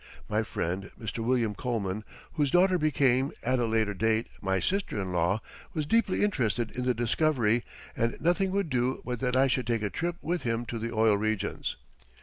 My friend Mr. William Coleman, whose daughter became, at a later date, my sister in law, was deeply interested in the discovery, and nothing would do but that I should take a trip with him to the oil regions.